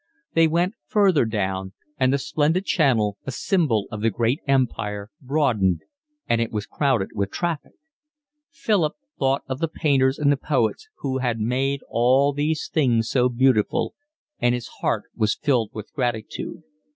They went further down; and the splendid channel, a symbol of the great empire, broadened, and it was crowded with traffic; Philip thought of the painters and the poets who had made all these things so beautiful, and his heart was filled with gratitude.